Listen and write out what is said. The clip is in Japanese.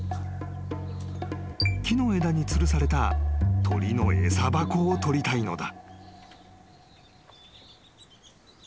［木の枝につるされた鳥の餌箱を取りたいのだ］